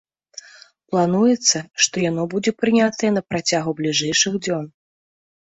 Плануецца, што яно будзе прынятае на працягу бліжэйшых дзён.